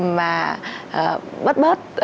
mà bớt bớt